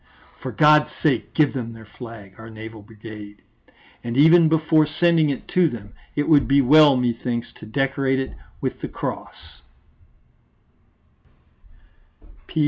For God's sake give them their flag, our Naval Brigade! And even before sending it to them it would be well, methinks, to decorate it with the Cross.